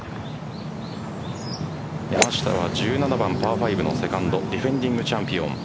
山下は１７番パー５のセカンドディフェンディングチャンピオン。